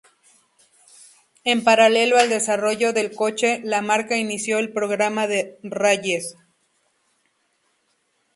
En paralelo al desarrollo del coche la marca inició el programa de rallies.